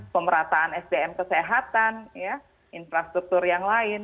pemerataan sdm kesehatan infrastruktur yang lain